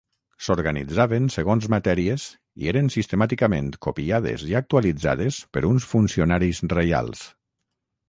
S'organitzaven segons matèries i eren sistemàticament copiades i actualitzades per uns funcionaris reials.